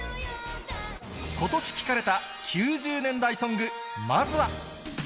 今年聴かれた９０年代ソング、まずは。